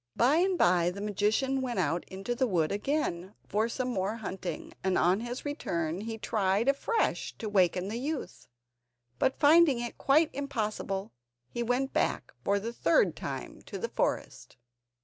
By and by the magician went out into the wood again for some more hunting, and on his return he tried afresh to waken the youth. But finding it quite impossible, he went back for the third time to the forest.